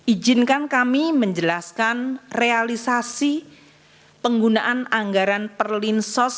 ijinkan kami menjelaskan realisasi penggunaan anggaran perlinsos